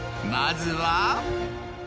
まずは。